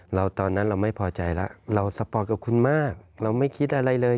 ตอนนั้นเราไม่พอใจแล้วเราสปอร์ตกับคุณมากเราไม่คิดอะไรเลย